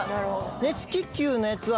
熱気球のやつは。